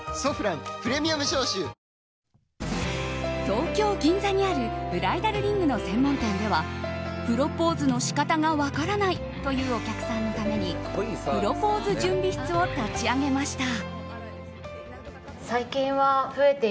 東京・銀座にあるブライダルリングの専門店ではプロポーズの仕方が分からないというお客さんのためにプロポーズ準備室を立ち上げました。